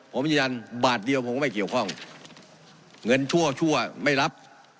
ผมยืนยันบาทเดียวผมก็ไม่เกี่ยวข้องเงินชั่วชั่วไม่รับ